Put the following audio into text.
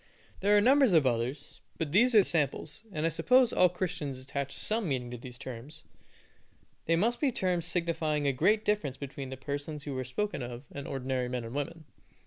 There are numbers of others, but these are samples, and I suppose all Christians attach some meaning to these terms. They must be terms signifying a great difference between the persons who are spoken of and ordinary men and women.